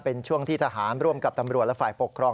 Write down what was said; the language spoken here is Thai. เป็นช่วงที่ทหารร่วมกับตำรวจและฝ่ายปกครอง